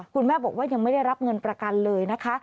คุณแม่บอกว่ายังไม่ได้รับเงินประกันเลยนะคะ